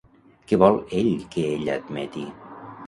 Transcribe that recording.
Què vol ell que ella admeti?